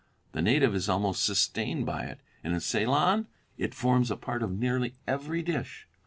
The native is almost sustained by it, and in Ceylon it forms a part of nearly every dish.